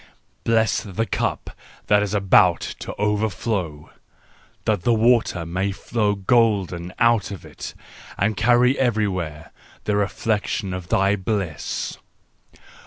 Bless the cup that is about to overflow, that the water may flow golden out of it, and carry everywhere the reflection of thy bliss!